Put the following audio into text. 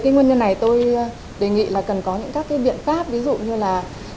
như thế này tôi đề nghị là cần có những các cái biện pháp ví dụ như là